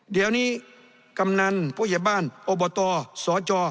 เดี๋ยวนี้กำหนังผู้เหยียบบ้านโอปตสอจ